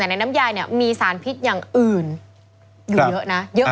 แต่ในน้ำยามีสารพิษอย่างอื่นอยู่เยอะนะ